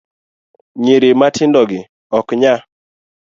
Nyiri matindogi ok ny